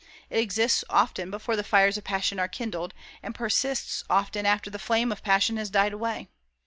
It exists often before the fires of passion are kindled, and it persists often after the flame of passion has died away.